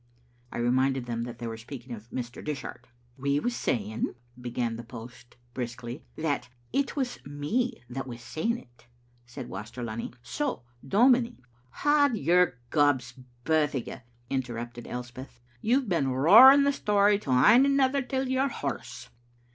I reminded them that they were speaking of Mr. Dishart. " We was saying," began the post briskly, " that " "It was me that was saying it," said Waster Lunny. "So, dominie "" Hand your gabs, baith o* you," interrupted Elspeth. "You've been roaring the story to ane another till you're hoarse."